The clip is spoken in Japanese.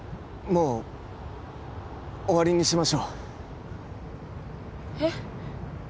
もう終わりにしましょうえっ？